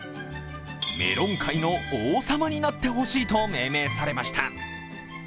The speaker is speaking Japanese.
メロン界の王様になってほしいと命名されました。